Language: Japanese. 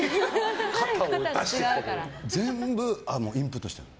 全部、インプットしてるの。